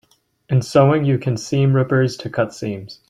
In sewing, you use seam rippers to cut seams.